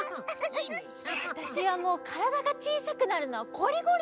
わたしはもうからだがちいさくなるのはこりごりだよ。